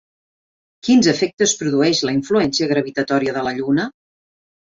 Quins efectes produeix la influència gravitatòria de la Lluna?